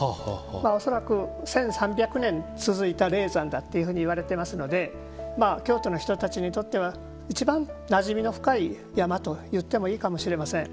恐らく１３００年続いた霊山だというふうに言われていますので京都の人たちにとってはいちばん、なじみの深い山といってもいいかもしれません。